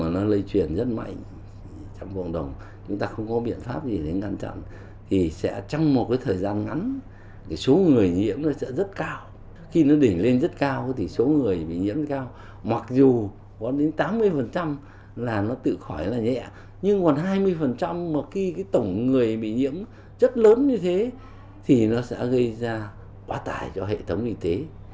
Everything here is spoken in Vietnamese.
nếu đỉnh dịch của việt nam tự khỏi là nhẹ nhưng còn hai mươi tổng người bị nhiễm chất lớn như thế thì nó sẽ gây ra quá tải cho hệ thống y tế